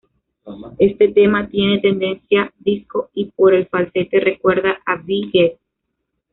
Este tema tiene tendencia disco y por el falsete recuerda a Bee Gees.